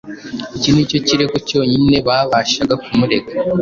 Iki ni cyo kirego cyonyine babashaga kumurega.